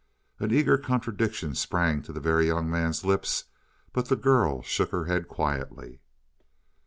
An eager contradiction sprang to the Very Young Man's lips, but the girl shook her head quietly.